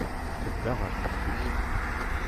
Tedda ɣer teftist.